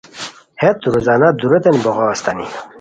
ہیت روزانہ داروتین بوغاؤ استانی